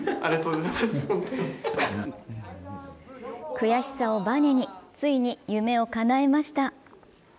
悔しさをバネについに夢を叶えました。